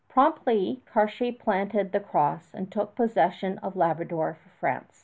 Promptly Cartier planted the cross and took possession of Labrador for France.